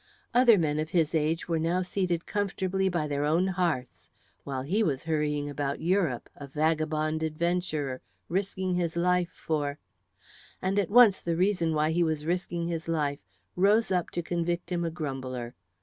Other men of his age were now seated comfortably by their own hearths, while he was hurrying about Europe, a vagabond adventurer, risking his life for and at once the reason why he was risking his life rose up to convict him a grumbler.